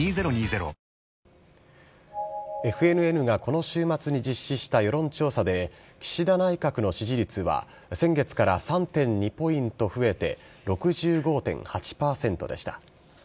ＦＮＮがこの週末に実施した世論調査で、岸田内閣の支持率は先月から３．２ポイント増えて、６５．８％でした。